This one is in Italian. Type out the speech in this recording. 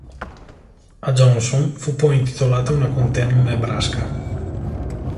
A Johnson fu poi intitolata una contea nel Nebraska.